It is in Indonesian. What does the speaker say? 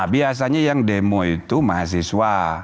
biasanya yang demo itu mahasiswa